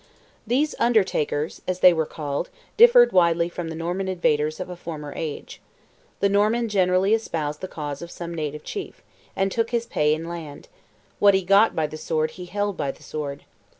These "Undertakers," as they were called, differed widely from the Norman invaders of a former age. The Norman generally espoused the cause of some native chief, and took his pay in land; what he got by the sword he held by the sword.